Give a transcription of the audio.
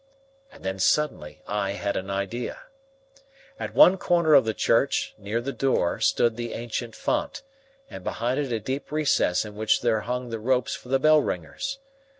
And then suddenly I had an idea. At one corner of the church, near the door, stood the ancient font, and behind it a deep recess in which there hung the ropes for the bell ringers.